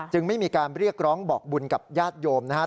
ไม่มีการเรียกร้องบอกบุญกับญาติโยมนะครับ